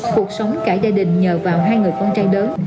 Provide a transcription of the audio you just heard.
cuộc sống cả gia đình nhờ vào hai người con trai lớn